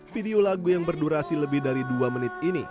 video lagu yang berdurasi lebih dari dua menit ini